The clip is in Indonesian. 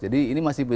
jadi ini masih